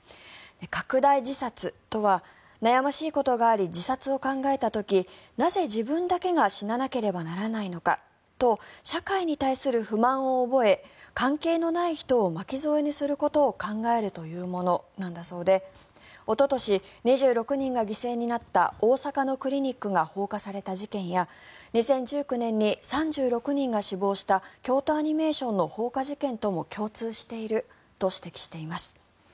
拡大自殺とは悩ましいことがあり自殺を考えた時なぜ自分だけが死ななければならないのかと社会に対する不満を覚え関係のない人を巻き添えにすることを考えるというものだそうでおととし、２６人が犠牲になった大阪のクリニックが放火された事件や２０１９年に３６人が死亡した京都アニメーションの放火事件とも共通していると指摘しています。